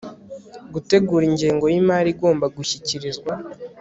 gutegura ingengo y imari igomba gushyikirizwa